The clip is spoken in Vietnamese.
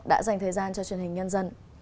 đã dành thời gian cho truyền hình nhân dân